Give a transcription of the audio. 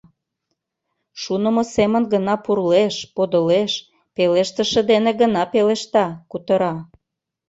Шунымо семын гына пурлеш, подылеш, пелештыше дене гына пелешта, кутыра.